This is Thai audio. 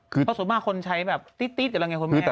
เพราะส่วนมากคนใช้แบบติ๊ดอะไรอย่างนี้